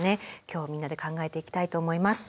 今日はみんなで考えていきたいと思います。